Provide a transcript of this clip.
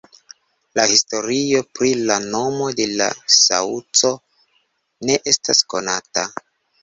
La historio pri la nomo de la saŭco ne estas konata.